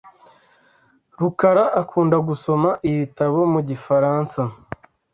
rukara akunda gusoma ibitabo mu gifaransa .